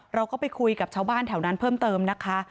เราก็ไปคุยกับชาวบ้านแถวนั้นเพิ่มเติมนะคะ